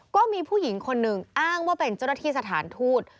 ก็มีผู้หญิงคนหนึ่งอ้างว่าเป็นเจ้าหน้าที่สถานทูต